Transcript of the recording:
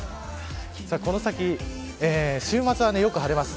この先週末は、よく晴れます。